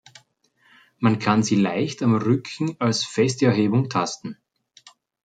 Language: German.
Man kann sie leicht am Rücken als feste Erhebungen tasten.